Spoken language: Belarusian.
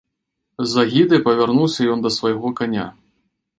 З агідай павярнуўся ён да свайго каня.